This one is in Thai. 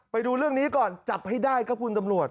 ไปดูเรื่องนี้ก่อนจับให้ได้ครับคุณตำรวจ